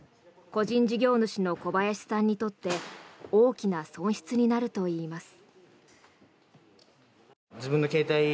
個人事業主の小林さんにとって大きな損失になるといいます。